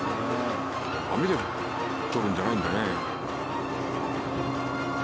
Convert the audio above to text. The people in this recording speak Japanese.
網でとるんじゃないんだね。